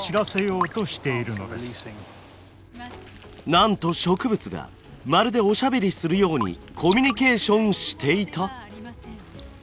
なんと植物がまるでおしゃべりするようにコミュニケーションしていた！？